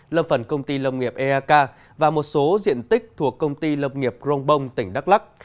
lâm phần công ty lâm nghiệp eak và một số diện tích thuộc công ty lâm nghiệp crongbong tỉnh đắk lắc